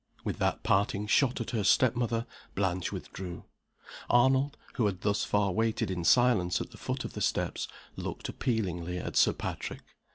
With that parting shot at her step mother, Blanche withdrew. Arnold, who had thus far waited in silence at the foot of the steps, looked appealingly at Sir Patrick.